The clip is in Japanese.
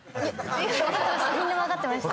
みんな分かってました。